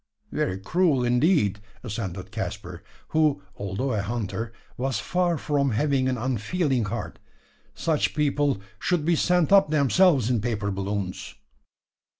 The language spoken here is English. "Very cruel indeed!" assented Caspar, who, although a hunter, was far from having an unfeeling heart. "Such people should be sent up themselves in paper balloons."